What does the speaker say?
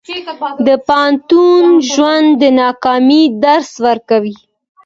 د پوهنتون ژوند د ناکامۍ درس ورکوي.